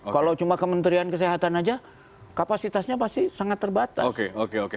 kalau cuma kementerian kesehatan saja kapasitasnya pasti sangat terbatas